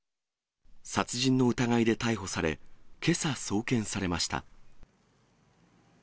殺人の疑いで逮捕され、けさ送検されました。